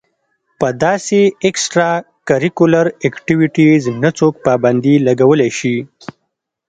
پۀ داسې اېکسټرا کريکولر ايکټويټيز نۀ څوک پابندي لګولے شي